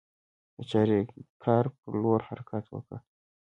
د چاریکار پر لور حرکت وکړ.